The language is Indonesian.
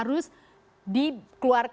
er sor untuk kelock